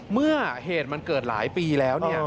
เมื่อเหตุมันเกิดหลายปีแล้ว